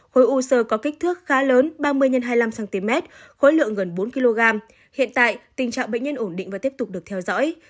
khối u sơ có kích thước khá lớn ba mươi x hai mươi năm cm khối lượng gần bốn kg hiện tại tình trạng bệnh nhân ổn định và tiếp tục được theo dõi